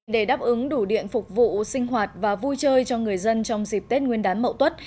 để đáp ứng đủ điện phục vụ sinh hoạt và vui chơi cho người dân trong dịp tết nguyên đán mậu tuất